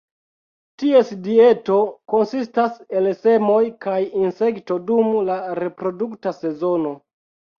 Ties dieto konsistas el semoj, kaj insekto dum la reprodukta sezono.